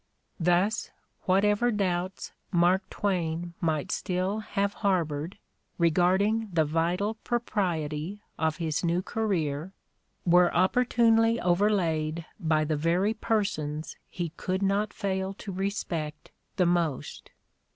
" Thus whatever doubts Mark Twain might still have harbored regarding the vital propriety of his new career were opportunely overlaid by the very persons he could not fail to respect the most.